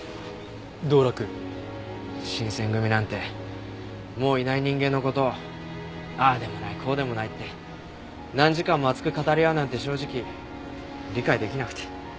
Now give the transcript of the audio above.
新選組なんてもういない人間の事をああでもないこうでもないって何時間も熱く語り合うなんて正直理解出来なくて。